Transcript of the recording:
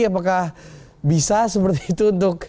apakah bisa seperti itu untuk